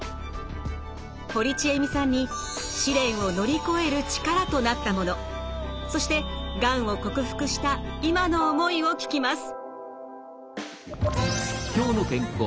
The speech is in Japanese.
堀ちえみさんに試練を乗り越える力となったものそしてがんを克服した今の思いを聞きます。